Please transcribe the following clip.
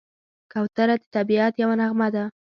کوتره د طبیعت یوه نغمه ده.